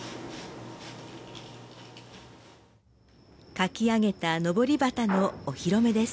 書き上げたのぼり旗のお披露目です。